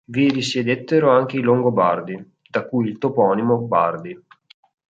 Vi risiedettero anche i Longobardi, da cui il toponimo "Bardi".